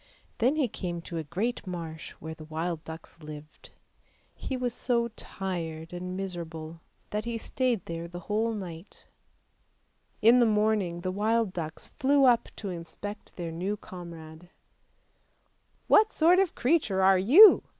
Then he came to a great marsh where the wild ducks lived; he was so tired and miserable that he stayed there the whole night. In the morning the wild ducks flew up to inspect their new comrade. THE UGLY DUCKLING 387 " What sort of a creature are you?